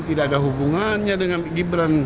tidak ada hubungannya dengan gibran